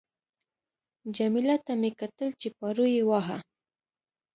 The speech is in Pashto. جميله ته مې کتل چې پارو یې واهه.